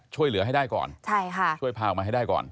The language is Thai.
ช่วยเหลือให้ได้ก่อนใช่ค่ะช่วยพาออกมาให้ได้ก่อน